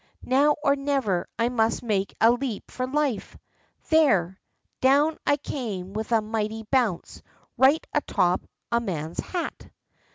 Now or never I must make a leap for life ! There ! Down I came with a mighty bounce, right atop of a man's hat